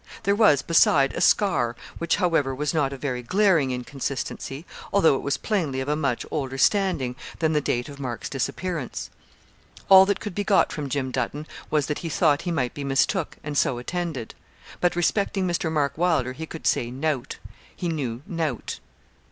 There was, beside, a scar, which, however, was not a very glaring inconsistency, although it was plainly of a much older standing than the date of Mark's disappearance. All that could be got from Jim Dutton was that 'he thought he might be mistook' and so attended. But respecting Mr. Mark Wylder he could say 'nowt.' He knew 'nowt.'